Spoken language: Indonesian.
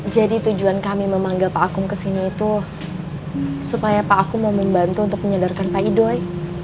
jadi tujuan kami memanggap pak akung kesini itu supaya pak akung mau membantu untuk menyadarkan pak idoi